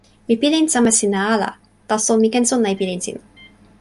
mi pilin sama sina ala, taso mi ken sona e pilin sina.